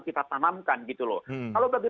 kita tanamkan gitu loh kalau bagi